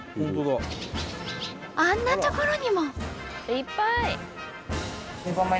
あんな所にも！